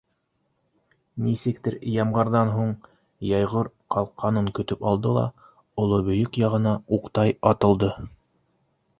Нисектер, ямғырҙан һун йәйғор ҡалҡҡанын көтөп алды ла, Олобейек яғына уҡтай атылды.